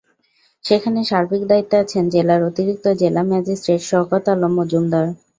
সেখানে সার্বিক দায়িত্বে আছেন জেলার অতিরিক্ত জেলা ম্যাজিস্ট্রেট শওকত আলম মজুমদার।